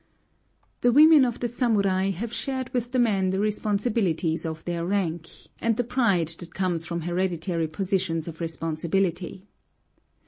The women of the samurai have shared with the men the responsibilities of their rank, and the pride that comes from hereditary positions of responsibility.